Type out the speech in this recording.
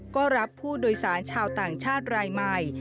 ก็รับผู้โดยสารชาวต่างชาติรายใหม่